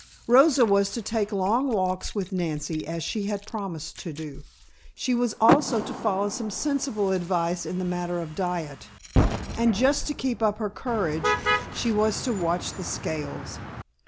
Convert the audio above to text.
Rosa was to take long walks with Nancy, as she had promised to do; she was also to follow some sensible advice in the matter of diet, and just to keep up her courage she was to watch the scales!